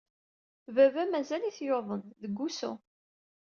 Baba mazal-it yuḍen, deg wusu.